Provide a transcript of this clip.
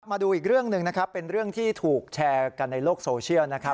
มาดูอีกเรื่องหนึ่งเป็นเรื่องที่ถูกแชร์กันในโลกโซเชียล